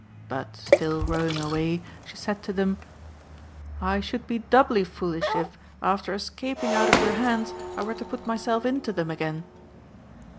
But, still rowing away, she said to them "I should be doubly foolish if, after escaping out of your hands, I were to put myself into them again."